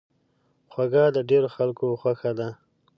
خوږه د ډېرو خلکو خوښه ده.